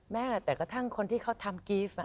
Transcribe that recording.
แม่แต่กระทั่งคนที่เขาทำกรีฟ